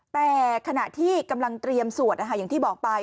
แต่ขณะที่กำลังเตรียมสวดอย่างที่บอกไป